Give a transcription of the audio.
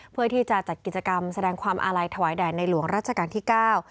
เพื่อที่จะจัดกิจกรรมแสดงความอาลัยถวายแด่ในหลวงรัชกาลที่เก้า